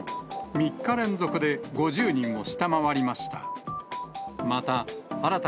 ３日連続で５０人を下回りました。